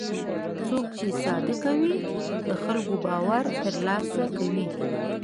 څوک چې صادق وي، د خلکو باور ترلاسه کوي.